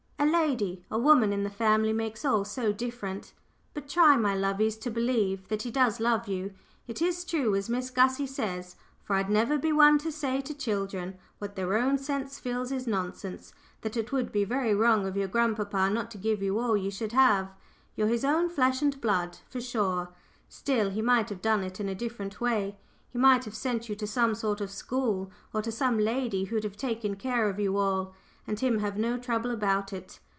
"A lady a woman in the family makes all so different. But try, my lovies, to believe that he does love you. It is true, as Miss Gussie says for I'd never be one to say to children what their own sense feels is nonsense that it would be very wrong of your grandpapa not to give you all you should have. You're his own flesh and blood, for sure. Still, he might have done it in a different way he might have sent you to some sort of school, or to some lady who'd have taken care of you all, and him have no trouble about it.